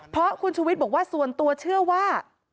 เพราะคุณชูวิทย์บอกว่าส่วนตัวเชื่อว่า